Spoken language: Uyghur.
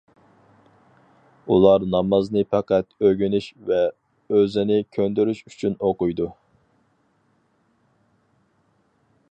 ئۇلار نامازنى پەقەت ئۆگىنىش ۋە ئۆزىنى كۆندۈرۈش ئۈچۈن ئوقۇيدۇ.